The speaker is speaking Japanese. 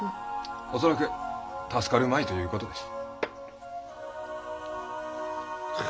恐らく助かるまいということです。